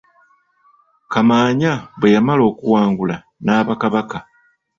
Kamaanya bwe yamala okuwangula n'aba Kabaka.